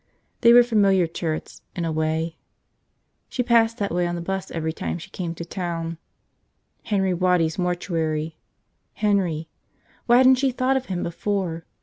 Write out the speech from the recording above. They were familiar turrets, in a way. She passed that place on the bus every time she came to town ... Henry Waddy's mortuary ... Henry! Why hadn't she thought of him before?